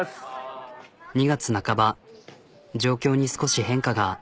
２月半ば状況に少し変化が。